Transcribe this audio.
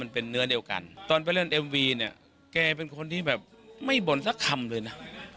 เป็นคนที่แบบไม่บ่นสักคำเลยนะ